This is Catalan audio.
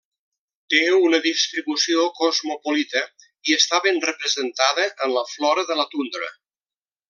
Té una distribució cosmopolita i està ben representada en la flora de la tundra.